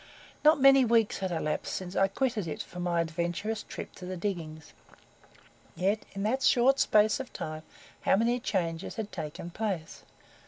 Not many weeks had elapsed since I had quitted it for my adventurous trip to the diggings, yet in that short space of time how many changes had taken place.